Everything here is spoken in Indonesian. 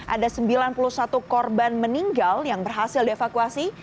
ada sembilan puluh satu korban meninggal yang berhasil dievakuasi